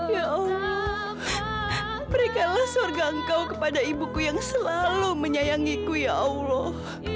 ya allah berikanlah sorga engkau kepada ibuku yang selalu menyayangiku ya allah